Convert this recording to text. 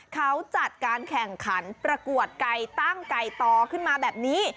เขาจัดการแข่งขันประกวดไก่ตั้งไก่ต่อขึ้นมาแบบนี้